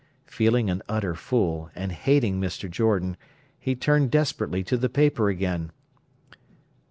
Feeling an utter fool, and hating Mr. Jordan, he turned desperately to the paper again.